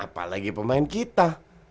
apalagi pemain kita